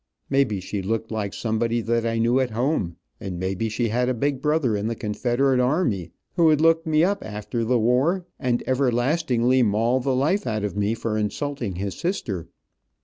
May be she looked like somebody that I knew at home, and may be she had a big brother in the Confederate army who would look me up after the war and everlastingly maul the life out of me for insulting his sister.